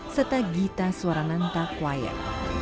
serta gita suarananta choir